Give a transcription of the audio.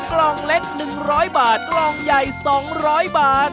กล่องเล็ก๑๐๐บาทกล่องใหญ่๒๐๐บาท